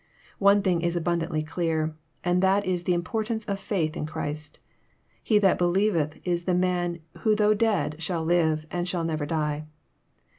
One thing is abundantly clear, and that is the importance of faith in Christ. *' He that believeth " is the man who though dead shall live, and shall never die.